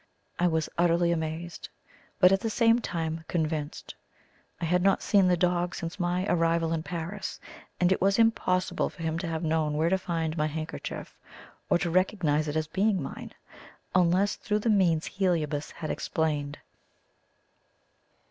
I was utterly amazed, but at the same time convinced. I had not seen the dog since my arrival in Paris, and it was impossible for him to have known where to find my handkerchief, or to recognize it as being mine, unless through the means Heliobas had explained.